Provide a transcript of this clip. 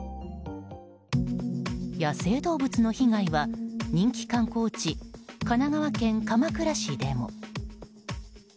野生動物の被害は、人気観光地神奈川県鎌倉市でも。